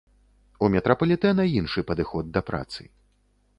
У метрапалітэна іншы падыход да працы.